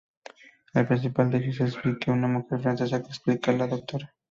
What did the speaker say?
El principal de ellos es Vicky, una mujer francesa que explica a la Dra.